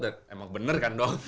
dan emang bener kan dok